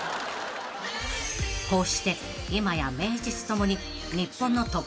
［こうして今や名実共に］